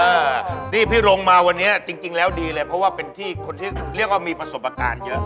เออนี่พี่รงมาวันนี้จริงแล้วดีเลยเพราะว่าเป็นที่คนที่เรียกว่ามีประสบการณ์เยอะ